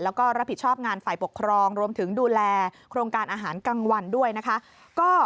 แล้วก็รับผิดชอบงานฝ่ายปกครองรวมถึงดูแลโครงการอาหารกลางวันด้วยนะคะ